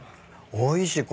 おいしい。